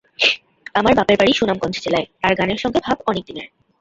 আমার বাপের বাড়ি সুনামগঞ্জ জেলায়, তাঁর গানের সঙ্গে ভাব অনেক দিনের।